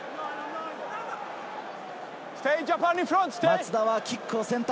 松田はキックを選択。